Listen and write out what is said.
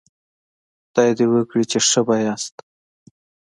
خدای دې وکړي چې ښه به وئ